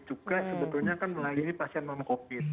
juga sebetulnya kan melayani pasien non covid